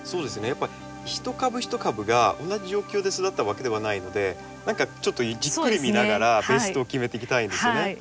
やっぱ一株一株が同じ状況で育ったわけではないので何かちょっとじっくり見ながらベストを決めていきたいですね。